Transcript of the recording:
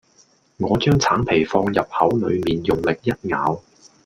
我將橙皮放入口裏面用力一咬